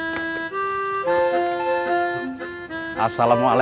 sebenernya tuh bureau masih ada